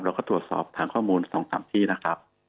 แล้วก็ตรวจสอบฐานข้อมูล๒๓ที่นะครับ